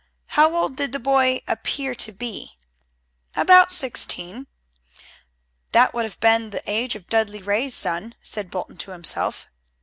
"How old did the boy appear to be?" "About sixteen." "That would have been the age of Dudley Ray's son," said Bolton to himself.